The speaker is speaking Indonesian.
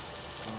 ini bolong kiri